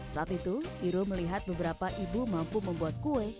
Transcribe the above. saat itu irul melihat beberapa ibu mampu membuat kue